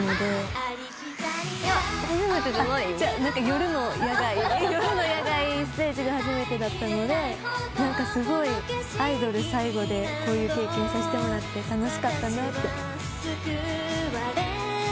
夜の野外ステージが初めてだったのですごいアイドル最後でこういう経験させてもらって楽しかったなって。